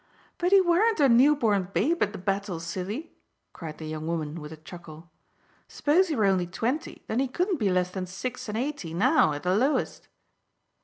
"But he weren't a newborn babe at the battle, silly!" cried the young woman with a chuckle. "S'pose he were only twenty, then he couldn't be less than six and eighty now, at the lowest."